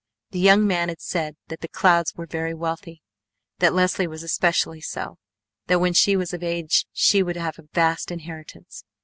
The young man had said that the Clouds were very wealthy. That Leslie was especially so. That when she was of age she would have a vast inheritance.